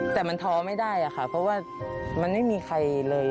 แต่มันท้อไม่ได้ค่ะเพราะว่ามันไม่มีใครเลย